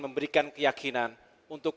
memberikan keyakinan untuk